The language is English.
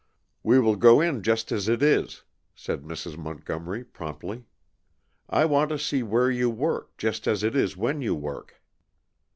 "We will go in just as it is," said Mrs. Montgomery promptly. "I want to see where you work, just as it is when you work."